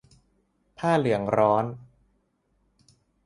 ผ้าเหลืองร้อน